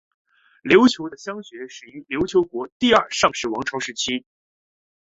琉球的乡学始于琉球国第二尚氏王朝时期。